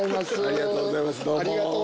ありがとうございます。